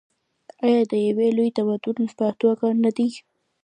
آیا د یو لوی تمدن په توګه نه دی؟